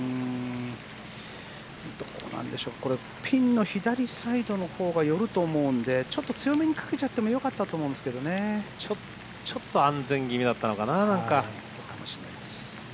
どうなんでしょうピンの左サイドのほうが寄ると思うのでちょっと強めにかけちゃってもちょっと安全気味だったのかな。